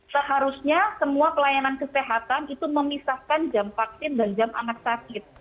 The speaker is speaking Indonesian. seharusnya semua pelayanan kesehatan itu memisahkan jam vaksin dan jam anak sakit